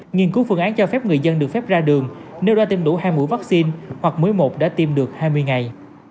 nghiên cứu phương án cho phép người dân được phép ra đường nếu đã tiêm đủ hai mũi vaccine hoặc mới một đã tiêm được hai mươi ngày